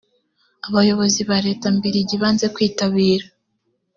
abayobozi ba leta mbirigi banze kwitabira .